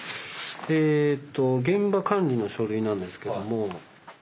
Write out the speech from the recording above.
えと現場管理の書類なんですけども。